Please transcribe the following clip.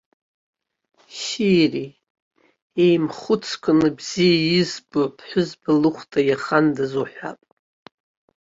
Шьыри, еимхәыцқәаны, бзиа избо аԥҳәызба лыхәда иахандаз уҳәап.